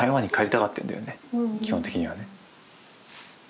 基本的にはね。